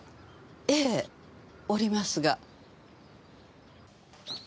ええおりますが。